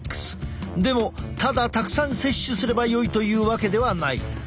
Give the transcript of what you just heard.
でもただたくさん摂取すればよいというわけではない。